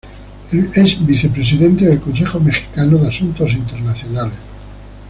Es Vicepresidente del Consejo Mexicano de Asuntos Internacionales.